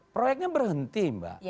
proyeknya berhenti mbak